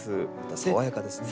爽やかですね。